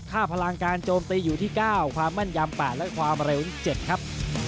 พลังการโจมตีอยู่ที่๙ความแม่นยำ๘และความเร็ว๗ครับ